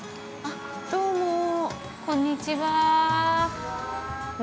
◆どうも、◆こんにちは。